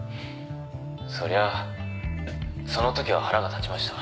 「そりゃその時は腹が立ちました」